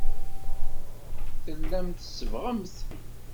Tellamt tsebbɣemt.